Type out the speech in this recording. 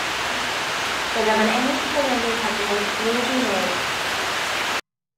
Byddaf yn ennill fy mwyd heb wneud drwg i neb.